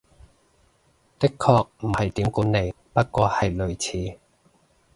的確唔係點管理，不過係類似